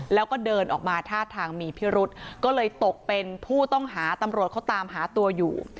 แล้วก็เดินออกมาท่าทางมีพิรุษก็เลยตกเป็นผู้ต้องหาตำรวจเขาตามหาตัวอยู่